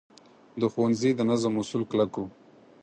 د ښوونځي د نظم اصول کلک وو.